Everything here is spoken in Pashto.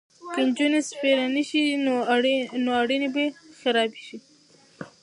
که نجونې سفیرانې شي نو اړیکې به نه خرابیږي.